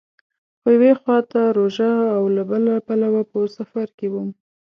خو یوې خوا ته روژه او له بله پلوه په سفر کې وم.